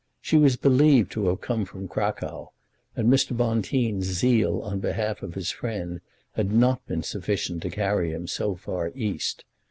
She was believed to have come from Cracow, and Mr. Bonteen's zeal on behalf of his friend had not been sufficient to carry him so far East.